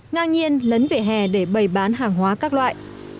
ngang nhiên lấn vỉa hè để bày bán hàng hóa các loại